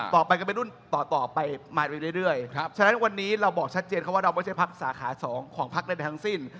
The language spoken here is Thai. ต่อไปก็เป็นรุ่นต่อไปมาเรื่อยฉะนั้นวันนี้เราบอกชัดเจนเขาว่าเราไม่ใช่พักสาขา๒ของพักใดทั้งสิ้น